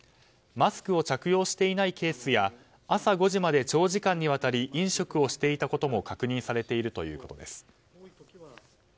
マスクを着用していないケースや朝５時まで長時間にわたり飲食をしていたことも確認されているということです。